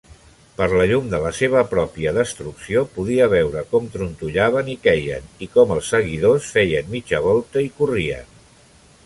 Per la llum de la seva pròpia destrucció, podia veure com trontollaven i queien, i com els seguidors feien mitja volta i corrien.